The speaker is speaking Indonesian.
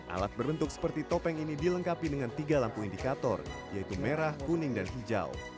alat berbentuk seperti topeng ini dilengkapi dengan tiga lampu indikator yaitu merah kuning dan hijau